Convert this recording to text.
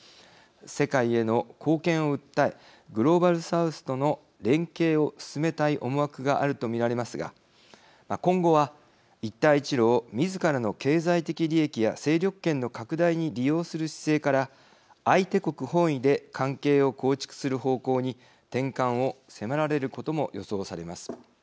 世界への貢献を訴えグローバル・サウスとの連携を進めたい思惑があると見られますが今後は一帯一路をみずからの経済的利益や勢力圏の拡大に利用する姿勢から相手国本位で関係を構築する方向に転換を迫られることも予想されます。